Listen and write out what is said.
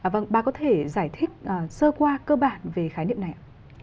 vâng bà có thể giải thích sơ qua cơ bản về khái niệm này ạ